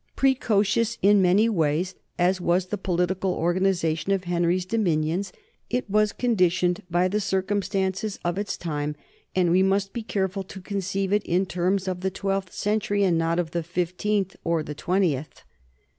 Precocious in many ways as was the political organi zation of Henry's dominions, it was conditioned by the circumstances of its time, and we must be careful to conceive it in terms of the twelfth century and not of the fifteenth or the twentieth.